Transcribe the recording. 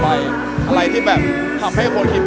แต่ว่าเกิดว่าเข้าใจผิดจริงหรอ